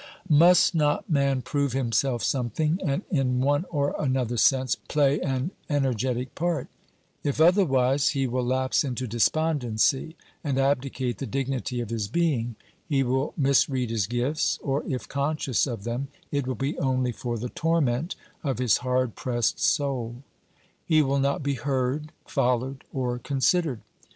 Must not man prove himself something, and, in one or another sense, play an energetic part? If otherwise, he will lapse into despondency and abdicate the dignity of OBERMANN 233 his being; he will misread his gifts, or if conscious of them, it will be only for the torment of his hard pressed soul. He will not be heard, followed, or considered.